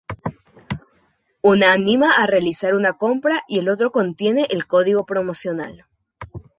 Una anima a realizar una compra y el otro contiene el código promocional.